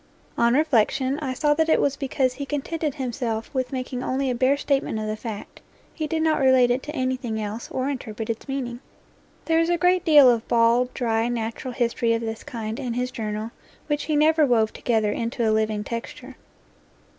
On reflection I saw that it was because he contented himself with making only a bare statement of the fact he did not relate it to anything else or inter pret its meaning. There is a great deal of bald, dry, natural history of this kind in his Journal which he never wove together into a living texture.